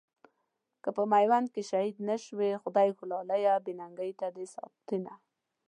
که په ميوند کې شهيد نه شوې، خدایږو لاليه بې ننګۍ ته دې ساتينه